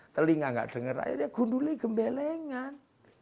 telinga enggak dengerin rakyat ya gundul ini gembelengan